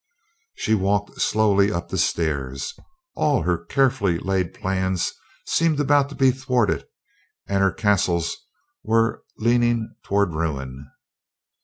She walked slowly up the stairs. All her carefully laid plans seemed about to be thwarted and her castles were leaning toward ruin.